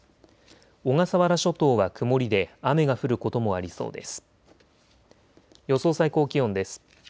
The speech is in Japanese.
小笠原諸島は曇りで雨が降ることもありそうです。